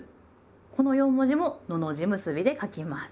この四文字ものの字結びで書きます。